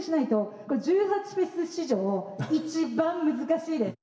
これ１８祭史上一番難しいです。